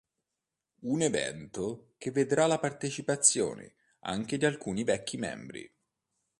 Un evento che vedrà la partecipazione anche di alcuni vecchi membri.